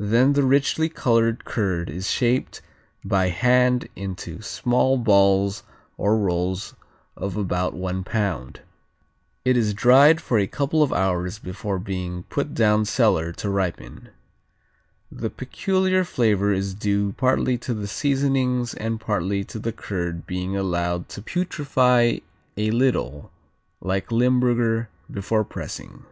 Then the richly colored curd is shaped by hand into small balls or rolls of about one pound. It is dried for a couple of hours before being put down cellar to ripen. The peculiar flavor is due partly to the seasonings and partly to the curd being allowed to putrify a little, like Limburger, before pressing.